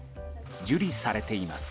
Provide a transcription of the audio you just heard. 受理されています。